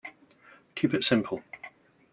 Keep it simple.